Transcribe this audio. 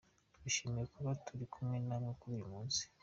“Twishimiye kuba turi kumwe namwe kuri uyu munsi.